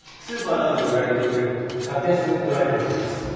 スーパーなどで売られている格安ドライフードです。